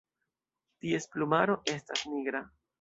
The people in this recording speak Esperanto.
Ties plumaro estas nigra.